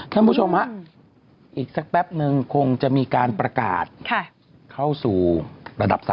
ท่านผู้ชมฮะอีกสักแป๊บนึงคงจะมีการประกาศเข้าสู่ระดับ๓